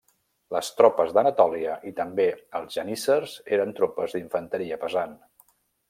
Les tropes d'Anatòlia i també els geníssers eren tropes d'infanteria pesant.